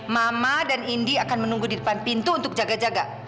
mama dan indi akan menunggu di depan pintu untuk jaga jaga